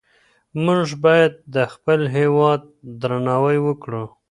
مونږ باید د خپل هیواد درناوی وکړو.